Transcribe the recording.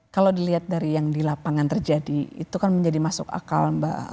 kalau dilihat dari yang di lapangan terjadi itu kan menjadi masuk akal mbak